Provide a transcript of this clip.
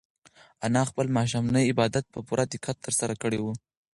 انا خپل ماښامنی عبادت په پوره دقت ترسره کړی و.